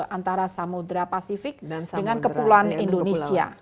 antara samudera pasifik dengan kepulauan indonesia